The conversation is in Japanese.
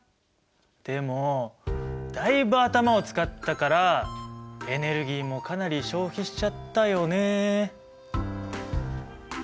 でもだいぶ頭を使ったからエネルギーもかなり消費しちゃったよねえ。